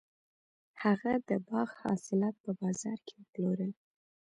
هغه د باغ حاصلات په بازار کې وپلورل.